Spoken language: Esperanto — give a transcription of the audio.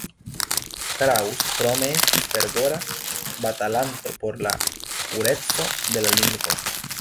Kraus krome estis fervora batalanto por la pureco de la lingvo.